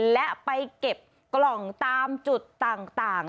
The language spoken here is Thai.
และไปเก็บกล่องตามจุดต่าง